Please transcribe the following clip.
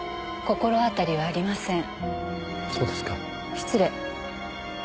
失礼。